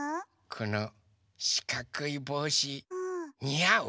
このしかくいぼうしにあう？